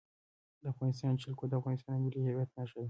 د افغانستان جلکو د افغانستان د ملي هویت نښه ده.